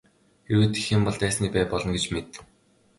Хэрвээ тэгэх юм бол дайсны бай болно гэж мэд.